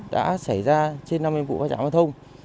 đã xảy ra trên năm mươi vụ va chạm giao thông